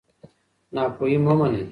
ناپوهي مه منئ.